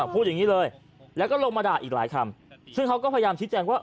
พูดอย่างนี้เลยแล้วก็ลงมาด่าอีกหลายคำซึ่งเขาก็พยายามชี้แจงว่า